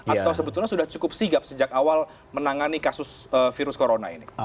atau sebetulnya sudah cukup sigap sejak awal menangani kasus virus corona ini